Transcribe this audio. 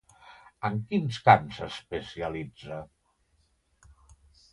En quins camps s'especialitza?